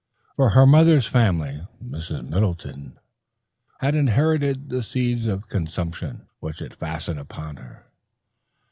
From her mother's family Mrs. Middleton had inherited the seeds of consumption, which had fastened upon her.